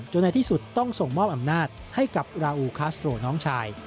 ในที่สุดต้องส่งมอบอำนาจให้กับราอูคาสโตรน้องชาย